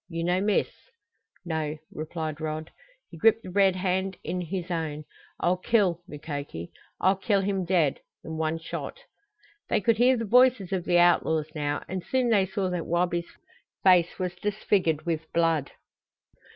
You no miss?" "No," replied Rod. He gripped the red hand in his own. "I'll kill, Mukoki. I'll kill him dead in one shot!" They could hear the voices of the outlaws now, and soon they saw that Wabi's face was disfigured with blood.